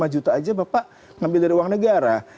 lima juta aja bapak ngambil dari uang negara